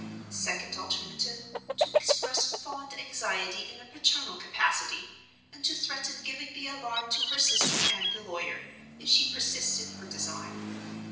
Second alternative: to express fond anxiety in a paternal capacity; and to threaten giving the alarm to her sister and the lawyer, if she persists in her design.